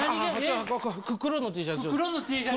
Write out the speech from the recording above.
黒のＴシャツ。